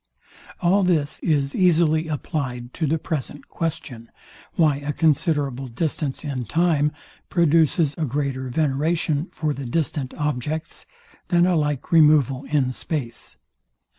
All this is easily applied to the present question, why a considerable distance in time produces a greater veneration for the distant objects than a like removal in space.